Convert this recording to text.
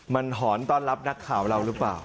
มันหอนต้อนรับนักข่าวเราหรือเปล่า